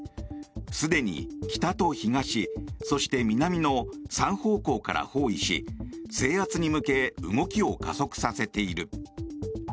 すでに北と東そして南の３方向から包囲し制圧に向け動きを加速させている。